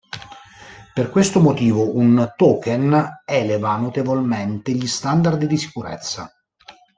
Per questo motivo, un "token" eleva notevolmente gli standard di sicurezza.